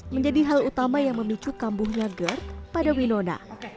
menjadi hal utama yang memicu kambuhnya gerd pada winona